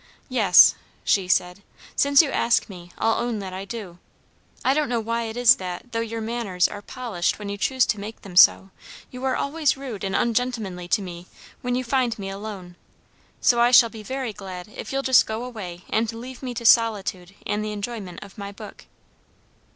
"Yes," she said, "since you ask me, I'll own that I do. I don't know why it is that, though your manners are polished when you choose to make them so, you are always rude and ungentlemanly to me when you find me alone. So I shall be very glad if you'll just go away and leave me to solitude and the enjoyment of my book."